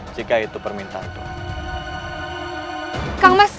jika itu permintaan tuhan